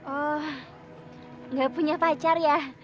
oh nggak punya pacar ya